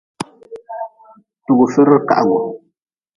Tugfidrekahgu.